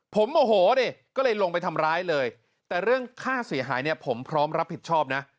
ผมโมโหดิก็เลยลงไปทำร้ายเลยแต่เรื่องค่าเสียหายเนี่ยผมพร้อมรับผิดชอบนะ